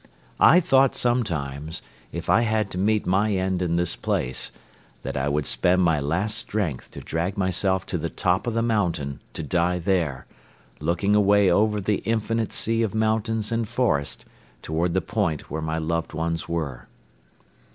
I thought sometimes, if I had to meet my end in this place, that I would spend my last strength to drag myself to the top of the mountain to die there, looking away over the infinite sea of mountains and forest toward the point where my loved ones were.